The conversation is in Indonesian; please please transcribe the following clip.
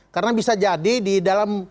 karena bisa jadi di dalam